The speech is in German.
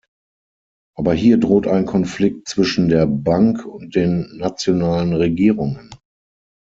Aber hier droht ein Konflikt zwischen der Bank und den nationalen Regierungen.